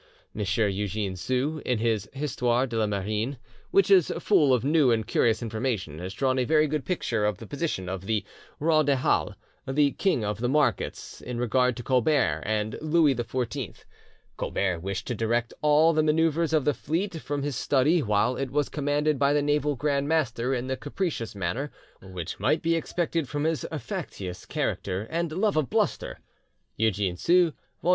M. Eugene Sue, in his 'Histoire de la Marine', which is full of new and curious information, has drawn a very good picture of the position of the "roi des halles," the "king of the markets," in regard to Colbert and Louis XIV. Colbert wished to direct all the manoeuvres of the fleet from his study, while it was commanded by the naval grandmaster in the capricious manner which might be expected from his factious character and love of bluster (Eugene Sue, vol.